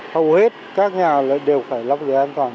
hầu hết các nhà đều phải lắp ghế an toàn